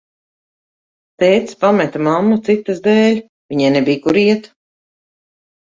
Tētis pameta mammu citas dēļ, viņai nebija, kur iet.